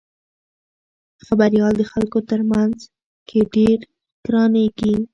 خبریال د خلکو په منځ کې ډېر ګرانیږي.